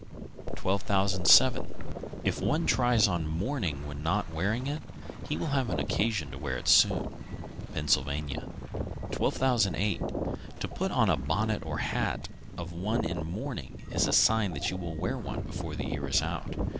_ 1207. If one try on mourning when not wearing it, he will have occasion to wear it soon. Pennsylvania. 1208. To put on a bonnet or hat of one in mourning is a sign that you will wear one before the year is out.